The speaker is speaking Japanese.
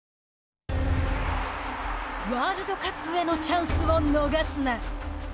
ワールドカップへのチャンスを逃すな。